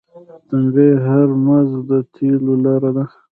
تنګی هرمز د تیلو لاره ده.